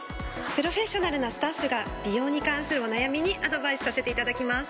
プロフェッショナルなスタッフが美容に関するお悩みにアドバイスさせていただきます。